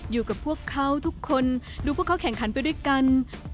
อยู่กับพวกเขาทุกคนดูพวกเขาแข่งขันไปด้วยกัน